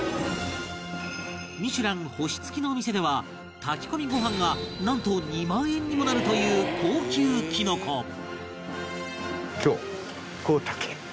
ミシュラン星付きのお店では炊き込みご飯がなんと２万円にもなるという高級きのこ